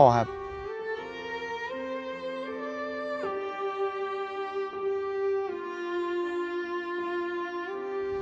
เพื่อให้พ่อค่อยดูแลพ่อค่อย